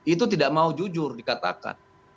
itu tidak mau jujur dikatakan